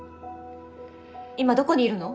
今どこにいるの？